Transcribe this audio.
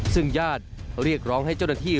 ซึ่งญาติเรียกร้องให้เจ้าหน้าที่